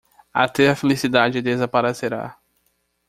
Até a felicidade desaparecerá